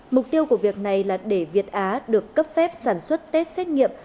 mục tiêu của việc này là để việt á được cấp phép sản xuất test xét nghiệm